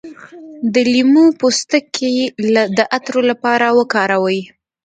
د لیمو پوستکی د عطر لپاره وکاروئ